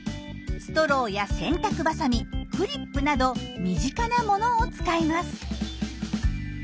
ストローや洗濯ばさみクリップなど身近なものを使います。